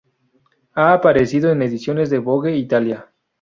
Ha aparecido en ediciones de Vogue Italia.